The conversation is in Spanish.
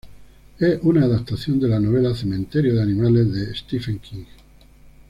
Es una adaptación de la novela "Cementerio de animales" de Stephen King.